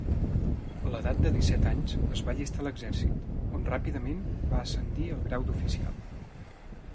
A l'edat de disset anys, es va allistar a l'exèrcit, on ràpidament va ascendir al grau d'oficial.